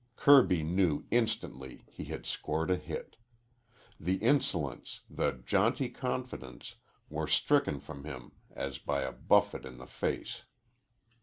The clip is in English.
Kirby knew instantly he had scored a hit. The insolence, the jaunty confidence, were stricken from him as by a buffet in the face.